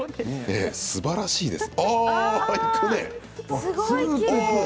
すばらしいです。